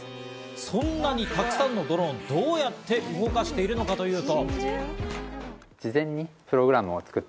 そんなにたくさんのドローンをどのように動かしているのかというと。